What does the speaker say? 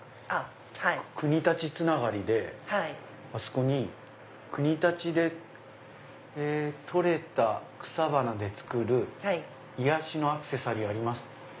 国立つながりであそこに「くにたちで採れた草花で作る癒しのアクセサリーあります」。